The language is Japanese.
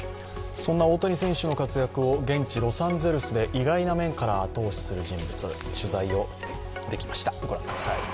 そんな大谷選手の活躍を現地ロサンゼルスで意外な面から後押しする人物取材ができました。